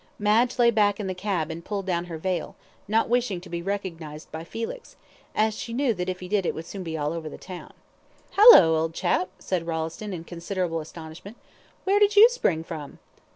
Madge lay back in the cab and pulled down her veil, not wishing to be recognised by Felix, as she knew that if he did it would soon be all over the town. "Hallo! old chap," said Rolleston, in considerable astonishment. "Where did you spring from?"